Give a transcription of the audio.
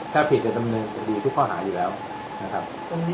ถ้าผิดโดนดับหนึ่งจะมีทุกข้อหาอยู่แล้วนะครับ